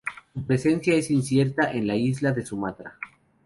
Su presencia es incierta en la isla de Sumatra.